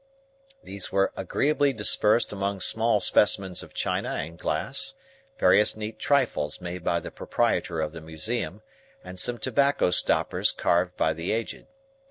These were agreeably dispersed among small specimens of china and glass, various neat trifles made by the proprietor of the museum, and some tobacco stoppers carved by the Aged.